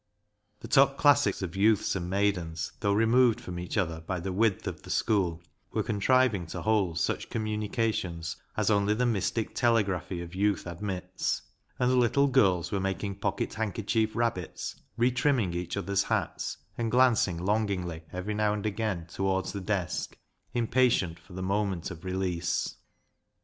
The top classes of youths and maidens, though removed from each other by the width of the school, were contriving to hold such communica tions as only the mystic telegraphy of youth admits, and the little girls were making pocket handkerchief rabbits, retrimming each other's hats, and glancing longingly every now and again towards the desk, impatient for the moment of release.